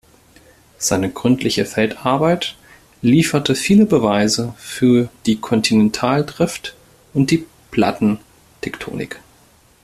Seine gründliche Feldarbeit lieferte viele Beweise für die Kontinentaldrift und die Plattentektonik.